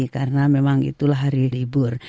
karena memang itulah hari libur